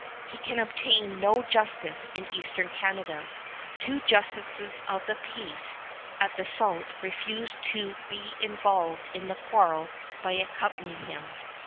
He can obtain no justice in Eastern Canada. Two justices of the peace at the Sault refuse to be involved in the quarrel by accompanying him.